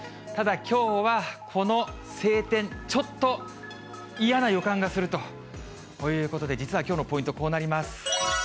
ただきょうはこの晴天、ちょっと嫌な予感がするということで、実はきょうのポイント、こうなります。